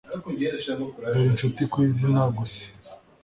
dore incuti ku izina gusa.